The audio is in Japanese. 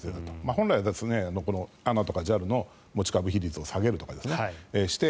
本来、ＡＮＡとかＪＡＬの持ち株比率を下げるとかして